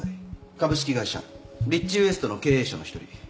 株式会社リッチ・ウエストの経営者の一人。